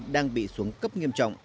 đang bị xuống cấp nghiêm trọng